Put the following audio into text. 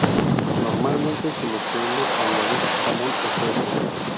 Normalmente se le suele añadir jamón o queso.